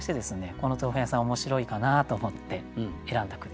このお豆腐屋さん面白いかなと思って選んだ句ですね。